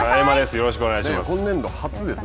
よろしくお願いします。